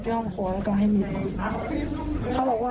ตอนที่แทงเขาคิดอะไรอยู่ลูก